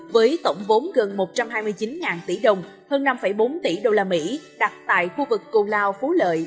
với tổng vốn gần một trăm hai mươi chín tỷ đồng hơn năm bốn tỷ đô la mỹ đặt tại khu vực cầu lao phố lợi